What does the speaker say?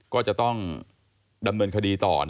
ก็จะต้องดำเนินคดีต่อ